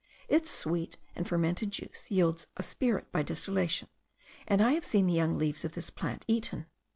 Its sweet and fermented juice yields a spirit by distillation; and I have seen the young leaves of this plant eaten.